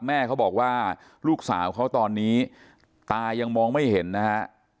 แม่เขาบอกว่าลูกสาวเขาตอนนี้ตายังมองไม่เห็นนะฮะ